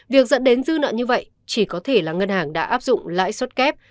việc dẫn đến dư nợ như vậy chỉ có thể là ngân hàng đã áp dụng lãi suất kép